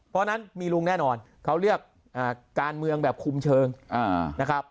เพราะฉะนั้นมีลุงแน่นอนเขาเลือกการเมืองแบบคุมเชิงนะครับ